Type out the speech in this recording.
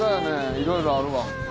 いろいろあるわ。